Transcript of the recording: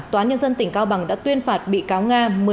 tòa nhân dân tỉnh cao bằng đã tuyên phạt bị cáo nga